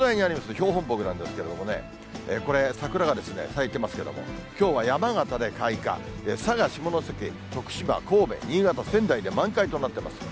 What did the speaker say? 標本木なんですけれどもね、これ、桜が咲いてますけど、きょうは山形で開花、佐賀、下関、徳島、神戸、新潟、仙台で満開となってます。